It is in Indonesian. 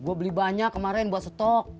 gue beli banyak kemarin buat stok